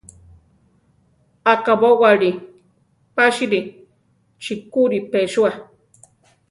Akabówali pásiri chikúri pesúa.